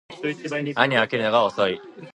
兄は起きるのが遅い